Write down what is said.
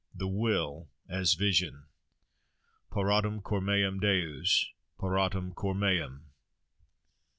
THE WILL AS VISION Paratum cor meum deus! paratum cor meum!